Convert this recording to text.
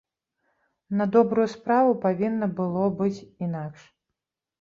На добрую справу, павінна было быць інакш.